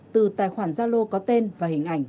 từ tài khoản gia lô có tên và hình ảnh